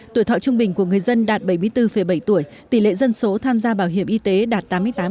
tuổi thọ trung bình của người dân đạt bảy mươi bốn bảy tuổi tỷ lệ dân số tham gia bảo hiểm y tế đạt tám mươi tám